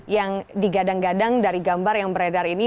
yang digadang gadang dari gambar yang beredar ini